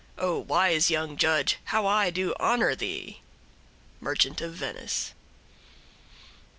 O wise young judge, how I do honor thee! —_Merchant of Venice.